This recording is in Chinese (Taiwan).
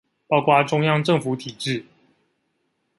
包括中央政府體制